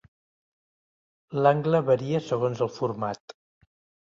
L'angle varia segons el format.